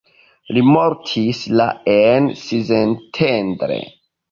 Li mortis la en Szentendre.